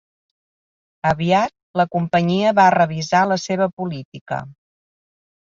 Aviat, la companyia va revisar la seva política.